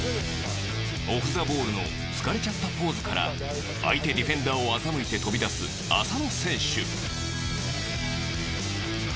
オフ・ザ・ボールの疲れちゃったポーズから相手ディフェンダーを欺いて飛び出す浅野選手。